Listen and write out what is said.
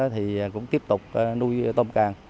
thì cũng tiếp tục nuôi tôm càng